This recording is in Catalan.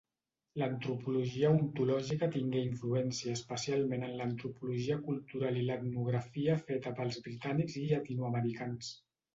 L'antropologia ontològica tingué influència especialment en l'antropologia cultural i l'etnografia feta pels britànics i llatinoamericans.